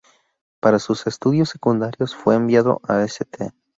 Para sus estudios secundarios, fue enviado a St.